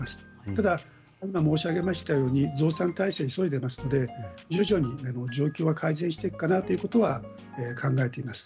ただ申し上げましたように増産体制を急いでいますので徐々に状況は改善していくかなということは考えています。